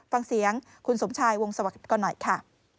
ฟังเสียงคุณสมชายวงสวัสดิ์ก่อนหน่อยค่ะ